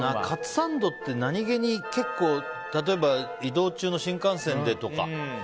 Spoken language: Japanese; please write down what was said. かつサンドって何気に結構例えば、移動中の新幹線でとか。